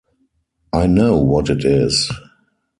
I know what it is!